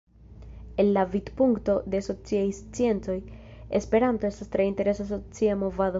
El la vidpunkto de sociaj sciencoj, Esperanto estas tre interesa socia movado.